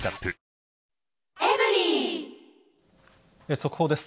速報です。